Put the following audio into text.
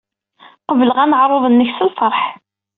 Qebleɣ aneɛṛuḍ-nnek s lfeṛḥ.